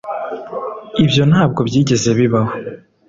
Ibyo ntabwo byigeze bibaho